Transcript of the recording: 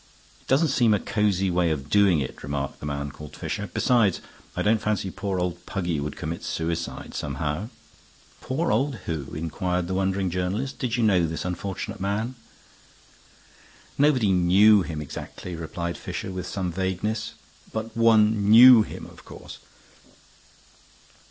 "It doesn't seem a cozy way of doing it," remarked the man called Fisher. "Besides, I don't fancy poor old Puggy would commit suicide, somehow." "Poor old who?" inquired the wondering journalist. "Did you know this unfortunate man?" "Nobody knew him exactly," replied Fisher, with some vagueness. "But one knew him, of course.